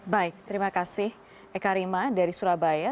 baik terima kasih eka rima dari surabaya